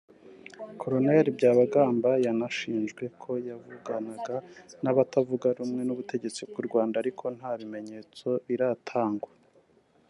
Col Byabagamba yanashinjwe ko yavuganaga n’abatavuga rumwe n’ubutegetsi bw’u Rwanda ariko nta bimenyetso biratangwa